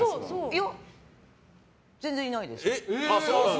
いや、全然いないです。